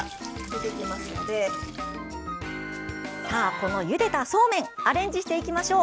このゆでたそうめんをアレンジしていきましょう。